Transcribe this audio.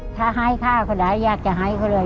ถ้าให้ฆ่าเขาได้อยากจะให้เขาเลย